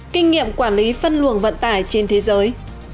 kinh nghiệm quản lý phân luồng vận tải trên thế giới